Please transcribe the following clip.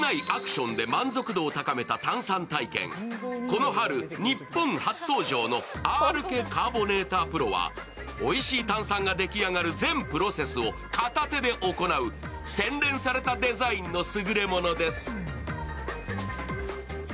この春、日本初登場のａａｒｋｅカーボネータープロはおいしい炭酸が出来上がる全プロセスを片手で行う洗練されたデザインのすぐれものです。